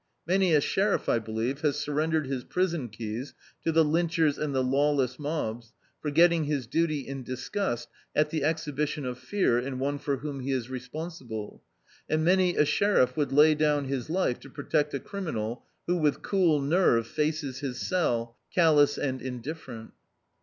Many a sheriff, I believe, has surrendered his prison keys to the lynchers and the lawless mobs, forgetting his duty in disgust at the ezhibiticm of fear in one for whom he is responsible. And many a sheriff would lay down his life to protect a crimi* nal who with cool nerve faces his cell, callous and indifferent.